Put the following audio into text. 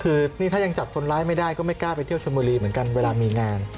คือนี่ถ้ายังจับคนร้ายไม่ได้ก็ไม่กล้าไปเที่ยวชนบุรีเหมือนกันเวลามีงาน